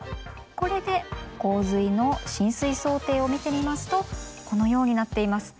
これで洪水の浸水想定を見てみますとこのようになっています。